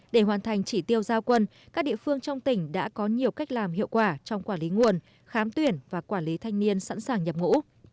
để hoàn thành chỉ tiêu giao quân các địa phương trong tỉnh đã có nhiều cách làm hiệu quả trong quản lý nguồn khám tuyển và quản lý thanh niên sẵn sàng nhập ngũ